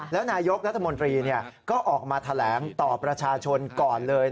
แล้วนายกรัฐมนตรีก็ออกมาแถลงต่อประชาชนก่อนเลย